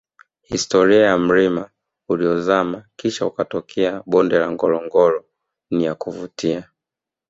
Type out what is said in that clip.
historia ya mlima uliozama Kisha kutokea bonde la ngorongoro ni ya kuvutia